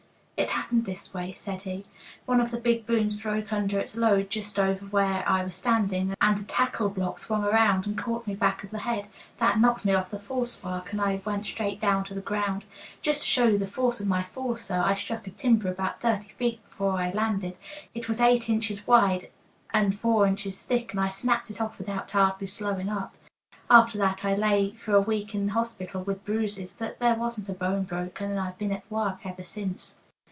"It happened this way," said he. "One of the big booms broke under its load just over where I was standing, and the tackle block swung around and caught me back of the head. That knocked me off the false work, and I went straight down to the ground. Just to show you the force of my fall, sir, I struck a timber about thirty feet before I landed; it was eight inches wide and four inches thick, and I snapped it off without hardly slowing up. After that I lay for a week in the hospital with bruises, but there wasn't a bone broken, and I've been at work ever since."